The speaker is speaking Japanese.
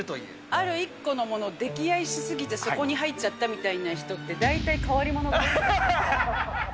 ある一個のものを溺愛し過ぎてそこに入っちゃったみたいな人って、大体変わり者が多い。